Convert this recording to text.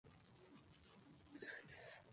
ঠাকুরপো, এ কথা নিয়ে ঠাট্টা কোরো না।